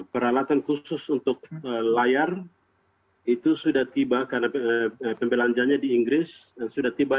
peralatan khusus untuk layar itu sudah tiba karena pembelanjanya di inggris dan sudah tiba